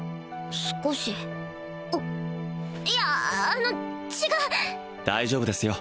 少しいやあの違大丈夫ですよ